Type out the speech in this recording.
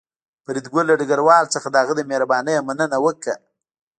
فریدګل له ډګروال څخه د هغه د مهربانۍ مننه وکړه